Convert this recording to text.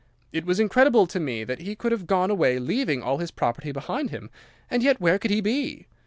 It was incredible to me that he could have gone away leaving all his property behind him, and yet where could he be?